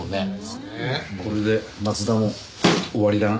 これで松田も終わりだな。